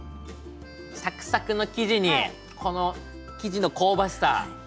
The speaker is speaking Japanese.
サクサクの生地にこの生地の香ばしさ。